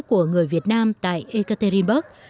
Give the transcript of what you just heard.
của người việt nam tại ekaterinburg